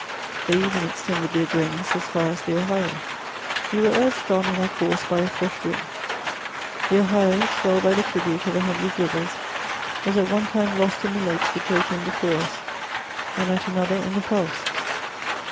They even extended their journeys as far as the <^o. We were urged on in our course by a fresh wind. The Ohio, swelled by the tribute of a hundred rivers^ was at one time lost in the lakes which opened before us, and at another in the forests.